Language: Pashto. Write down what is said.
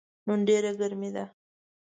نن ډیره ګرمې ده